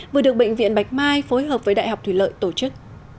vừa được bệnh viện bạch mai phối hợp với đại học thủy lợi tổ chức